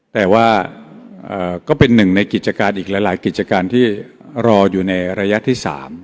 แต่ว่าก็เป็นหนึ่งในกิจการอีกหลายกิจการที่รออยู่ในระยะที่๓